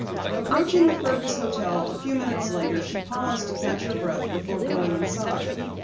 Approaching the Fergus hotel a few minutes later, she paused to catch her breath before going inside.